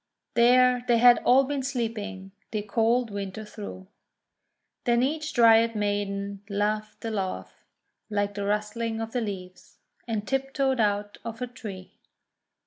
There they had all been sleeping the cold Winter through. Then each Dryad Maiden laughed a laugh like the rustling of the leaves, and tiptoed out of her tree.